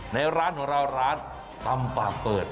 ในร้านของเราร้านตำปากเปิด